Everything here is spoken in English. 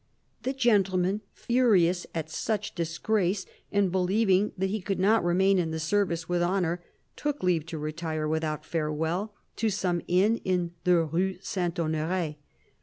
" The gentleman, furious at such disgrace, and believing that he could not remain in the service with honour, took leave to retire, without farewell, to some inn in the Rue St. Honore.